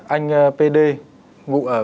anh pd ngụ ở